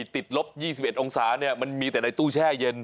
ติดลบ๒๑องศามันมีแต่ในตู้แช่เย็น